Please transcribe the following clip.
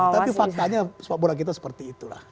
tapi faktanya pabula kita seperti itulah